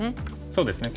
そうですね。